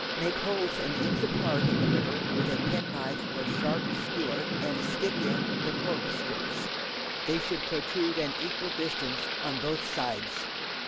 Make holes an inch apart in the liver with a pen knife or sharp skewer, and stick in the pork strips. They should protrude an equal distance on both sides.